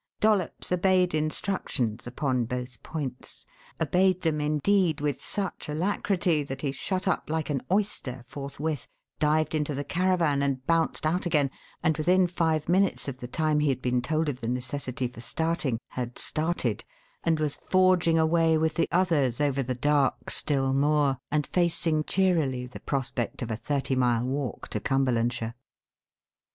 Dollops obeyed instructions upon both points obeyed them, indeed, with such alacrity that he shut up like an oyster forthwith, dived into the caravan and bounced out again, and within five minutes of the time he had been told of the necessity for starting, had started, and was forging away with the others over the dark, still moor and facing cheerily the prospect of a thirty mile walk to Cumberlandshire.